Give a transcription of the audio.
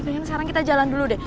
pengen sekarang kita jalan dulu deh